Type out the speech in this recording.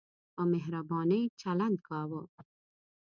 په مهربانۍ چلند کاوه.